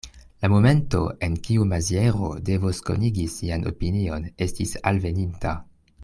La momento, en kiu Maziero devos konigi sian opinion, estis alveninta.